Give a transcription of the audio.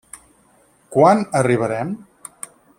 Quan arribarem?